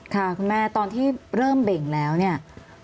คุณแม่ตอนที่เริ่มเบ่งแล้วเนี่ย